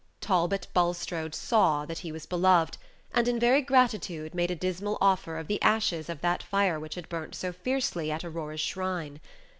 Talbot Bulstrode saw that he was beloved, and in very gratitude made a dismal offer of the ashes of that fire which had burnt so fiercely at Aurora's shrine.